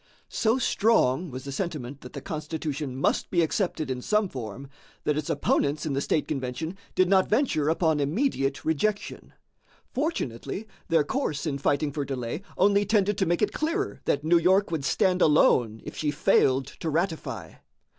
So strong was the sentiment that the Constitution must be accepted in some form, that its opponents in the state convention did not venture upon immediate rejection. Fortunately, their course in fighting for delay only tended to make it clearer that New York would stand alone if she failed to ratify.